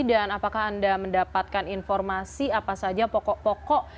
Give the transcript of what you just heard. dan apakah anda mendapatkan informasi apa saja pokok pokok